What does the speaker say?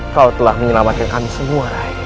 kau telah menyelamatkan kami semua